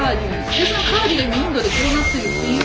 でそのカーディーが今インドでこうなってるっていう。